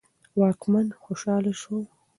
واکمن خوشاله شو.